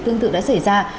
tương tự đã xảy ra